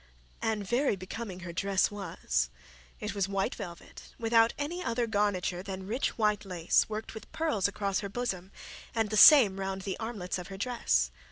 And very becoming her dress was. It was white velvet, without any other garniture than rich white lace worked with pearls across her bosom, and the same round the armlets of her dress.